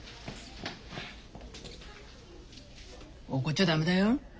怒っちゃ駄目だよ。